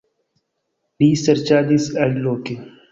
Li serĉadis aliloke.